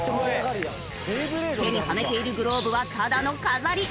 手にはめているグローブはただの飾り。